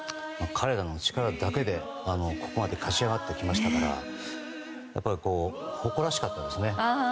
彼らの力だけでここまで勝ち上がってきましたから誇らしかったですね。